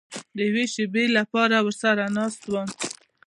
د یوې شېبې لپاره ورسره ناست وم.